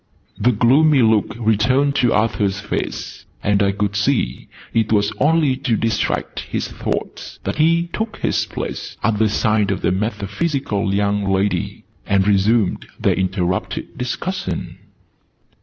The gloomy look returned to Arthur's face: and I could see it was only to distract his thoughts that he took his place at the side of the metaphysical young lady, and resumed their interrupted discussion.